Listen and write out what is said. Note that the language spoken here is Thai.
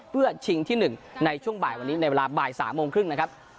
เพื่อชิงที่๑ในช่วงบ่ายวันนี้ในเวลาบ่าย๓โมงครึ่งนะครับ